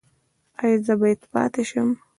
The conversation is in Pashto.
ایا زه باید پاتې شم؟